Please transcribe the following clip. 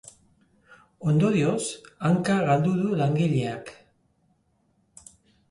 Ondorioz, hanka galdu du langileak.